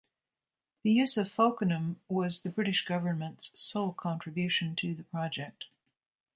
The use of Folkingham was the British Government's sole contribution to the project.